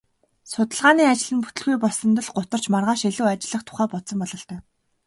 Судалгааны ажил нь бүтэлгүй болсонд л гутарч маргааш илүү ажиллах тухай бодсон бололтой.